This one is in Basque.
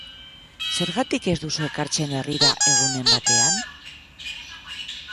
Zergatik ez duzu ekartzen herrira egunen batean?